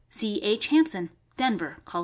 C. H. Hampson, Denver, Colo.